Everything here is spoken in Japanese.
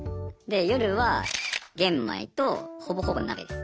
で夜は玄米とほぼほぼ鍋です。